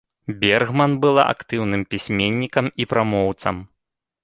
Бергман была актыўным пісьменнікам і прамоўцам.